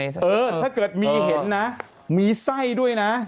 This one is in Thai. ถ้าเกิดมีเห็นนะมีไส้ด้วยนะ